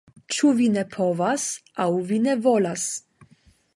Ĉu vi ne povas, aŭ vi ne volas?